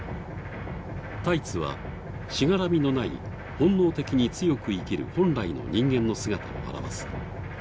タイツは、しがらみのない本能的に強く生きる本来の人間の姿を表す。